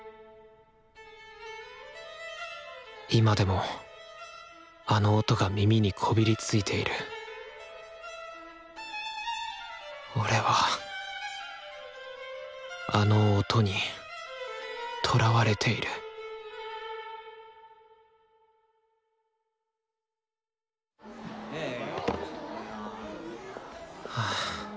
今でもあの音が耳にこびりついている俺はあの「音」にとらわれているはぁ